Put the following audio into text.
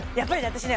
私ね